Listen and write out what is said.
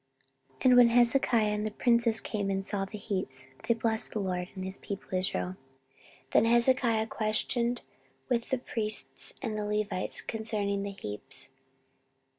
14:031:008 And when Hezekiah and the princes came and saw the heaps, they blessed the LORD, and his people Israel. 14:031:009 Then Hezekiah questioned with the priests and the Levites concerning the heaps.